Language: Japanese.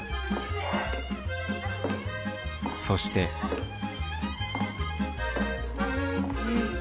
そしてえ？